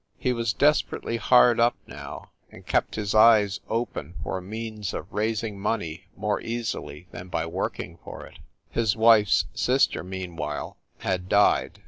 He was des perately hard up now, and kept his eyes open for a means of raising money more easily than by work ing for it. His wife s sister, meanwhile, had died.